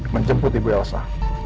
menjemput ibu elsa